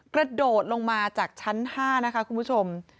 กระโดดลงมาจากชั้น๕นะคะคุณผู้ชม